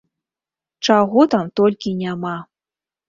Чаго там толькі няма!